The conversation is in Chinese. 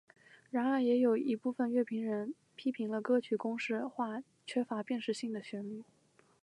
然而也有一部分乐评人批评了歌曲公式化缺乏辨识性的旋律。